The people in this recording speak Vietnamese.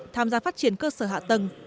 tham gia phát triển cơ sở hạ tầng